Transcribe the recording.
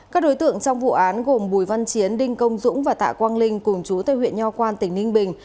các đối tượng trong vụ án gồm bùi văn chiến đinh công dũng và tạ quang linh cùng chú tây huyện nho quan tỉnh ninh bình